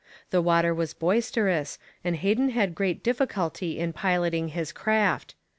The water was boisterous, and Heden had great difficulty in piloting his craft.